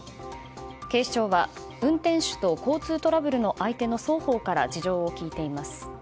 警視庁は、運転手と交通トラブルの相手の双方から事情を聴いています。